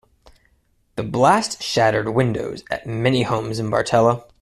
The blast shattered windows at many homes in Bartella.